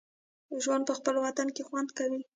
ژوند په خپل وطن کې خوند کوي